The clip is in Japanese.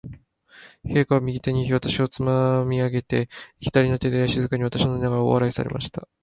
陛下は、右手に私をつまみ上げて、左の手で静かに私をなでながら、大笑いされました。